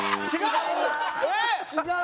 違う？